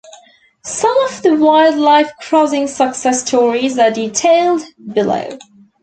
Some of the wildlife crossing success stories are detailed below.